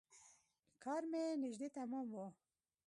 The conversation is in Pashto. کار مې نژدې تمام و.